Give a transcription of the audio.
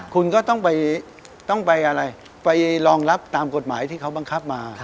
คุณก็ต้องไปอะไรไปรองรับตามกฎหมายที่เขาบังคับมา